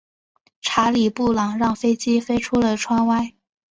查理布朗让飞机飞出了窗外。